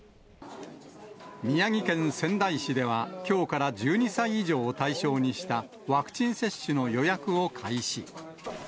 宮城県仙台市では、きょうから１２歳以上を対象にした、ワクチン接種の予約を開始。